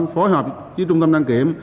phối hợp với trung tâm đăng kiểm